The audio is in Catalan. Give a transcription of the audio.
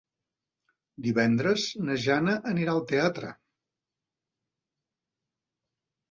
Divendres na Jana anirà al teatre.